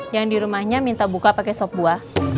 yang di rumahnya minta buka pake sob buah